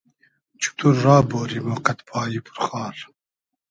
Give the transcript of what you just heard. چوتور را بۉری مۉ قئد پایی پور خار